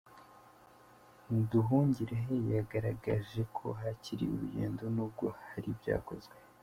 Nduhungirehe yagaragaje ko hakiri urugendo nubwo hari ibyakozwe.